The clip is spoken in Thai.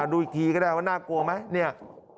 ดูอีกทีก็ได้ว่าน่ากลัวไหมเนี่ย